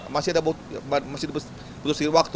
masih butuh segitu waktu